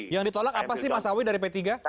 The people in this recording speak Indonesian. yang ditolak apa sih mas awi dari p tiga